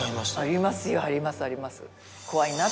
ありますよありますあります。